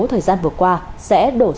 thời gian vừa qua sẽ đổ sông đổ biển